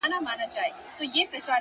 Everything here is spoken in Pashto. هغې دروغجنې چي په مټ کي دی ساتلی زړه!!